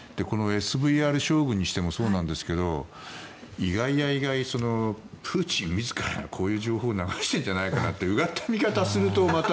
このＳＶＲ将軍にしてもそうですが意外や意外プーチン自らこういう情報を流しているんじゃないかなってうがった見方をすると。